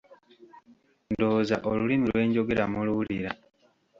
Ndowooza olulimi lwe njogera muluwulira.